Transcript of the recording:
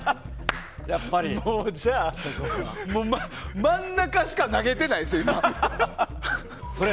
じゃあ、真ん中しか投げてないですよ、今。